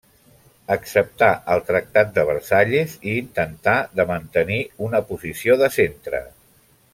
Acceptà el tractat de Versalles i intentà de mantenir una posició de centre.